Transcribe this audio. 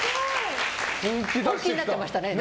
本気になっていましたね。